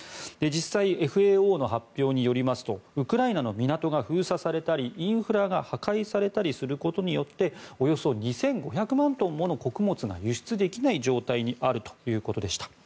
実際、ＦＡＯの発表によりますとウクライナの港が封鎖されたりインフラが破壊されたりすることによっておよそ２５００万トンもの穀物が輸出できない状態にあるということでした。